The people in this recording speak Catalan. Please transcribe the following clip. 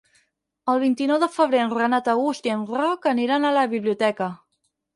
El vint-i-nou de febrer en Renat August i en Roc aniran a la biblioteca.